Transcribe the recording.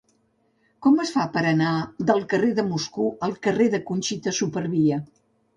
Com es fa per anar del carrer de Moscou al carrer de Conxita Supervia?